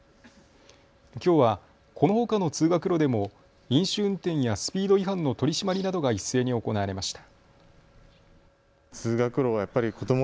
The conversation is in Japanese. きょうはこのほかの通学路でも飲酒運転やスピード違反の取締りなどが一斉に行われました。